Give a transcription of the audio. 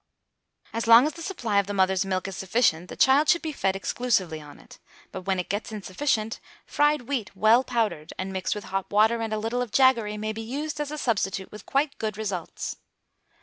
As long as the supply of the mother's milk is sufficient, the child should be fed exclusively on it; but, when it gets insufficient, fried wheat well powdered, and mixed with hot water and a little of jaggery, may be used as a substitute with quite good results.